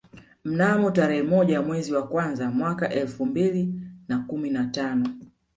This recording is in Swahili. Mnamo tarehe moja mwezi wa kwanza mwaka elfu mbili na kumi na tano